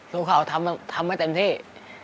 รู้ครับคะทำให้เต็มที่